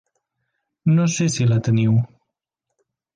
No sé si la teniu.